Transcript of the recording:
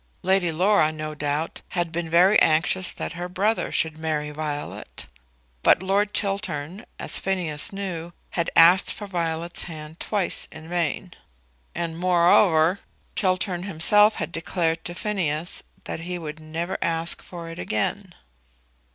Lady Laura, no doubt, had been very anxious that her brother should marry Violet; but Lord Chiltern, as Phineas knew, had asked for Violet's hand twice in vain; and, moreover, Chiltern himself had declared to Phineas that he would never ask for it again.